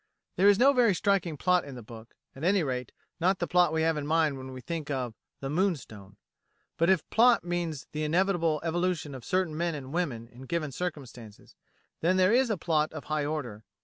There is no very striking plot in the book; at any rate not the plot we have in mind when we think of "The Moonstone." But if plot means the inevitable evolution of certain men and women in given circumstances, then there is plot of a high order.